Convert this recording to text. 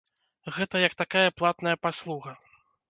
Гэта, як такая платная паслуга.